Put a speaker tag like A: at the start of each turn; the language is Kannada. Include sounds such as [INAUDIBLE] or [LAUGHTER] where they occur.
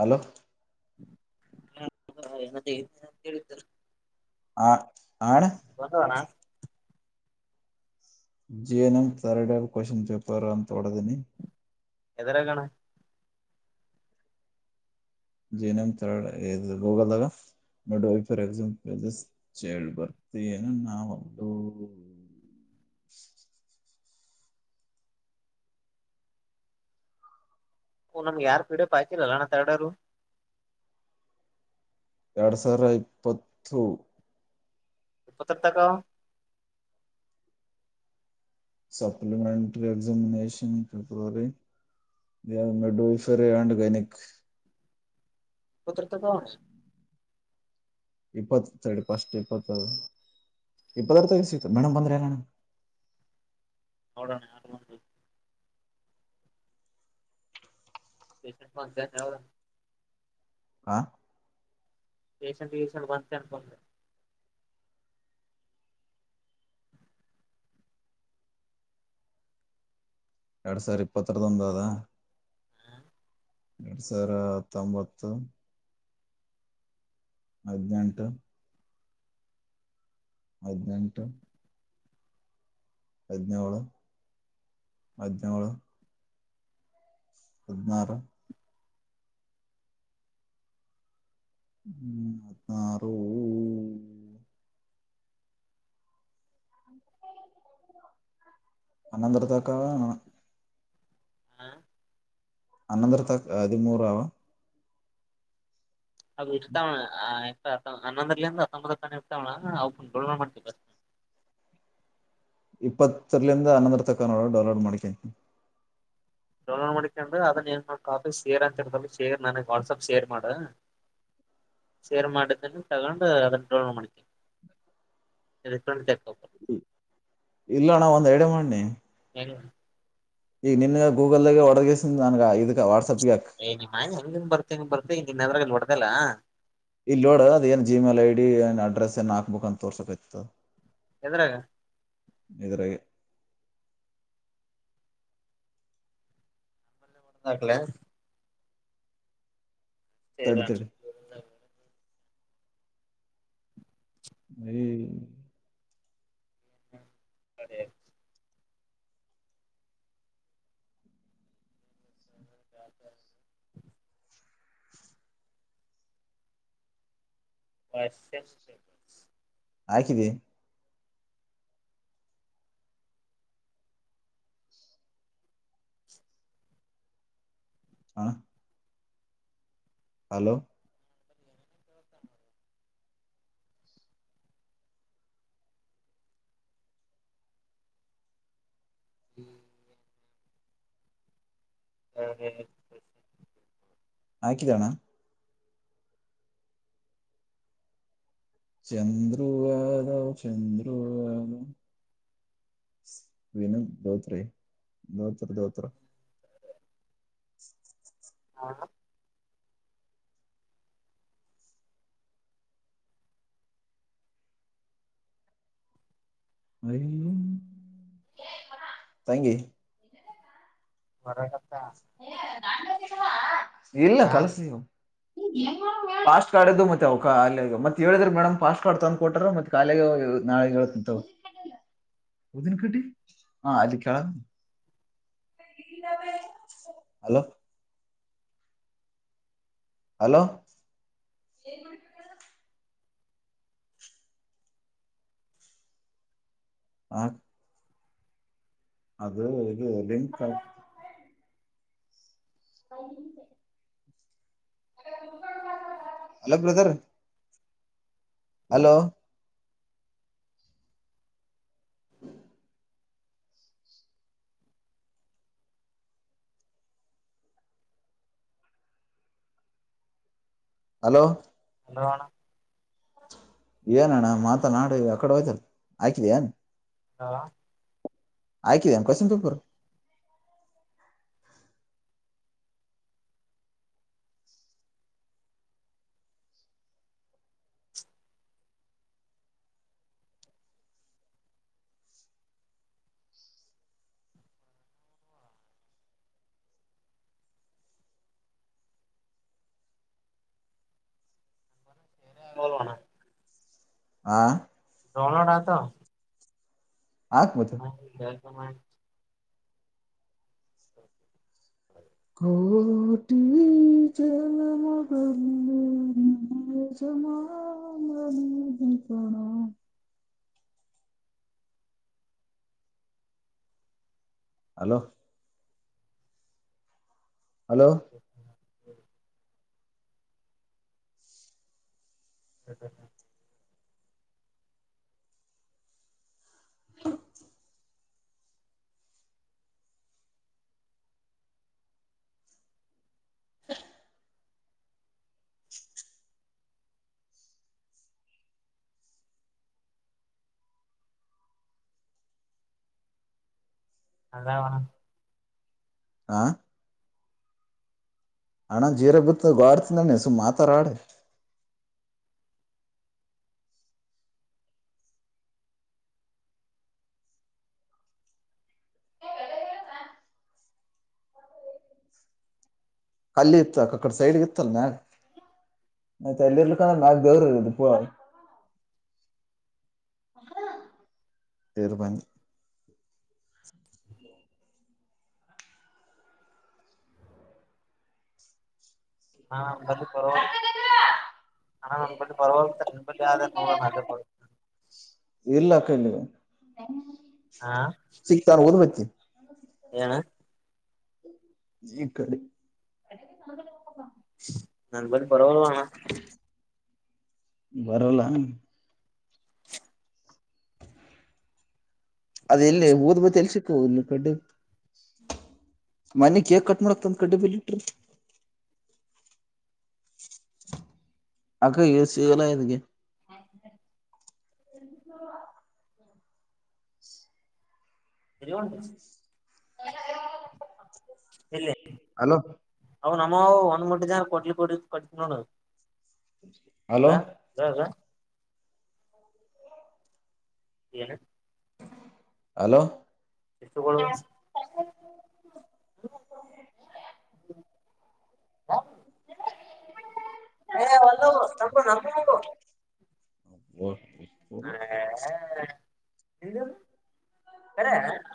A: ಹಲೋ.
B: [INAUDIBLE] [INAUDIBLE] ಹೇಳಿದ್ದರ
A: ಆ ಆಣ
B: ಬಂದುವನಾ
A: ಜೀವನಂ ತರಡೆಲ್ ಕ್ವಶನ್ ಪೇಪರ್ ಅಂತ ಹೊಡದೆನಿ
B: ಎದರಗಣ
A: ಜನಮ ತರ ಇದು ಗೋಗಲ್ದಾಗ ನೋಡ ಫಾರ್ ಎಕ್ಸಾಮ್ [UNINTELLIGIBLE] ಬರ್ತ ಏನ ನಾವ ಒಂದುೂ [INAUDIBLE] [INAUDIBLE]
B: ನಮ್ಗೆ ಯಾರ್ ಕಡೆ ಪಕಿಲ್ಲಲ್ಲಣ ತರಡಾರರು
A: ಎರಡ್ ಸಾವಿರ ಇಪ್ಪತ್ತು
B: ಎಪ್ಪತ್ತರ್ತಕ್ಕ
A: ಸಪ್ಲಿಮೆಂಟರಿ ಎಕ್ಸಾಮಿನೇಷನ್ ಪೆಬ್ರವರಿ [UNINTELLIGIBLE]
B: [UNINTELLIGIBLE]
A: ಇಪ್ಪತ್ತು ಸ ಪಸ್ಟ್ ಇಪ್ಪತ್ತ ಇಪ್ಪತ್ತರ ತ ಸಿತ ಮೇಡಮ್ ಬಂದ್ರೇಡಮ್
B: [INAUDIBLE] [UNINTELLIGIBLE] [UNINTELLIGIBLE]
A: ಹಾ
B: ರಸೆಂಟ್ ಯೂಷೆಂಟ್ ಬಂತೆೆ ಅನ್ಕೊಂಡೆ
A: ಎರಡ್ ಸಾವಿರ ಇಪ್ಪತ್ತರದ ಒಂದು ಅದ ಎರಡ್ ಸಾವಿರ ಹತ್ತೊಂಬತ್ತು ಹದಿನೆಂಟು ಹದಿನೆಂಟು ಹದಿನೇಳೇಳು ಹದಿನೇಳೇಳು ಹದಿನಾರು ಹ್ಮ್ ಹದಿನಾರು ಅನ್ನಂದರದಕ್ಕ
B: ಹ
A: ಹನ್ನೊಂದರ ತಕ್ ಹದಿಮೂರ ಆವಾ
B: [UNINTELLIGIBLE] ಅನ್ನೊಂದ್ರಲ್ಲಿ ಅಮ್ಮದ ತಾನ ಇರ್ತಾವಳ ಅವಕ ಮಾಡ್ತವಿ ಬರ್
A: ಇಪ್ಪತ್ತರಲಂದ ಹನ್ನೊಂದರ ತಕ್ಕ ನೋಡ ಡೌನ್ಲೋಡ್ ಮಾಡ್ಕಂತಿ
B: ಡೌನ್ಲೋಡ್ ಮಾಡಿಕಕೊಂಡ್ರು ಅದನ್ ಏನ್ ಮಾಡೋ ಕಾಫಿ ಶೇರ್ ಅಂತತ ಶೇರ್ ನನಗ್ ವಾಟ್ಸಪ್ ಶೇರ್ ಮಾಡ ಶೇರ್ ಮಾಡಟ್ದನ ತಗೊಂಡು ಅದು ಡೌನ್ಲೋಡ್ ಮಾಡ್ತೀನಿ ರಿಫಂಡ ಚೆಕ್ಕ
A: ಇಲ್ಲ ನಾ ಒಂದ್ ಐಡ್ಯಾ ಮಾಡು ನೀ
B: [UNINTELLIGIBLE]
A: ಈಗ ನಿನ್ ಗೂಗಲ್ಗಗೆ ಒಡದ ಗೆಸ್ ನನ್ಗ ಇದ ವಾಟ್ಸಆಪ್
B: ಏ ನಿಮ್ಮ ಹಂಗನ್ ಬರ್ತ ಹೆಂಗ ಬರ್ತ ಈ ನಿನ್ನದ್ರಾಗ ನಡ್ದಲ್ಲಾ
A: ಇಲ್ಲ ನೋಡ ಅದ ಏನು ಜಿಮೇಲ್ ಐ ಡಿ ಏ ಅಡ್ರೆಸ್ ಏನ್ ಹಾಕ್ಬೇಕು ಅಂತ ತೋರ್ಸೋಕ್ ಇತ್ತುತ
B: ಹೆದ್ರಾಗ
A: ಇದಿದರೆಗೆ
B: ಮಡಂದಾಕ್ಲ
A: ತಡಿ ತಡಿ
B: [UNINTELLIGIBLE]
A: ಹ
B: [UNINTELLIGIBLE] [INAUDIBLE] [UNINTELLIGIBLE]
A: ಆಕಿದ್ದಿ ಹಾ ಹಲೋ
B: ತ ಹ ಹ
A: ಹಾಕಿದಣ ಚಂದ್ವಾದ ಚಂದ್ರುವಾದ ವಿನ ಧೋತ್ರ ೋತ್ರ ೋತ್ರ
B: ಹಾ
A: ತಂಗಗೆ
B: ಹೊರಗತ್ತ
A: ಇಲ್ಲ
B: ಹಾ
A: ಕಲಸವು ಪಾಸ್ಟ್ ಕಾರ್ಡ್್ದು ಮತ್ತೆ ಅವಕಾಲ ಮತ್ತ ಹೇಳಿದ್ರ ಮೇಡಮ್ ಪಾಸ್ಟ್ ಕಾರ್ಡ್ ತಂದ ಕೊಟ್ರ ಮತ್ತೆ ಕಾಲ ನಾಳೆ ಹೇಳ್ತಂತ ಹದಿನ ಕಟ್ಟಿ ಹ ಅಲ್ಲಿ ಕಳ ಹಲೋ ಹಲೋ ಹ ಅದು ಇದು ಲಿಂಕ್ ಆಗ್ತ ಹಲೋ ಬ್ರದರ್ ಹಲೋ ಹಲೋ
B: ಹಲೋಣ
A: ಏನ ಅಣ್ಣ ಮಾತ ನಾಡು ಆ ಕಡೆ ಹೋ್ತಲ್ ಆಾಕಿದಏನ್
B: ಹಾ
A: ಆಯ್ಕಿದ್ದೇನೆ ಕ್ವಶನ್ ಪೇಪರ್
B: ಅ ಶೇಲಣ
A: ಹಾ
B: ರೋನಾಲ್ಡ ಆತ
A: ಆಾಕ್ ಮದು ಗೋಟಿ ಚಲ ಮಗಂದ ನಜಮಣ ಹಲೋ ಹಲೋ
B: ಹ ಹ್ಮ ಹ್ಮ ಹಾ ಅದಾವಣ
A: ಆಾ ಅಣ್ಣ ಜೀರ ಬಿತ್ತ ಗಾಡ್ತಿಂದಣ್ಣ ಸುಮ್ ಮಾತಾರಾಡು ಕಲ್ಲಿ ಇತ್ತ ಅಕ್ಕಡೆ ಸೈಡ್ಗೆ ಇತ್ತಲ್ಲ ನ ನ ತಲ್ಲಿರ್ಲಿಕ್ಕಂದ್ರ ನಾಾಗು ದೇವ್ರ ಇರದು ಪು ತರ್ಬನ್ನ
B: ಹಾ ಬರ ಬರ ಹಣಾ ನನ್ ಬಿ ಪರವಾಗಿತಾರೆ ನಿನ್ ಬಲ್ಲಿಿ ಆದಾರ ನೋಡಣ ಅ
A: ಸಿಗ್ತಾರ ಓದ್ ಬತ್ತ
B: ಏಣ
A: ಈ ಕಡಿ
B: ನನ್ ಬಂದಿ ಪರವಾಗಿಲ್ಲಣ
A: ಬರಲ್ಲ ಅದ ಎಲ್ಲಿ ಉದ್ ಬತಿ ಎಲ್ ಸಿಕ್ಕ ಹ ಕಡ್ಡಿ ಮನೆ ಹೇಕ್ ಕಟ್ ಮಾಡಕ್ತಂದ ಕಡ್ ಬೆಲಿಟ್ರ ಅಕ್ಕ ಸ ಎಲ್ಲ ಇನಕ್ಕೆ ಎಂತ
B: ಸರಿಡ
A: ಎಲ್ಲ
B: ಇಲ್ಲಿ ಅ ನಮ್ಮವು ಒಂದ್ ಮುಟ್ಟೆ ಜನ ಕೊಡ್ಲಿ ಕೊಡ ಕೊಟ್ಟತ ನೋಡ
A: ಹಲೋ
B: ಏನು
A: ಹಲೋ
B: ಎಷ್ಟು ಹ್ಮ ಹ ಒಲ್ಲ ತಗು ನಮ್ಮೋಗ
A: ಹಬ
B: ನೀ ಕರೆ